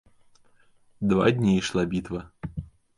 Два дні ішла бітва.